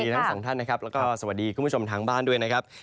ทั้งสองท่านนะครับแล้วก็สวัสดีคุณผู้ชมทางบ้านด้วยนะครับ